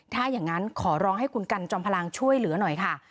ถ้าอย่างนั้นขอร้องให้คุณกันจอมพลังช่วยเหลือหน่อยค่ะ